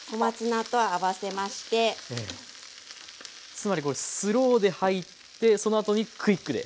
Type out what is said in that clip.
つまりこれスローで入ってそのあとにクイックで。